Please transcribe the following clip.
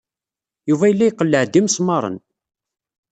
Yuba yella iqelleɛ-d imesmaṛen.